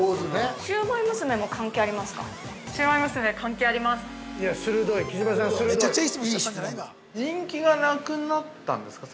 ◆シウマイ娘も関係ありますか。